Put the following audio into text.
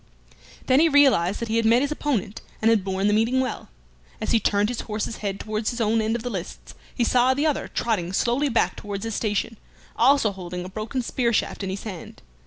Then he realized that he had met his opponent, and had borne the meeting well. As he turned his horse's head towards his own end of the lists, he saw the other trotting slowly back towards his station, also holding a broken spear shaft in his hand.